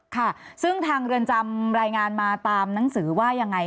ค่ะซึ่งทางเรือนจำรายงานมาตามหนังสือว่ายังไง